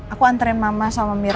aku antren mama sama mirna